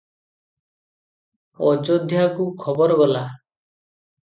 ଅଯୋଧ୍ୟାକୁ ଖବର ଗଲା ।